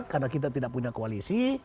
karena kita tidak punya koalisi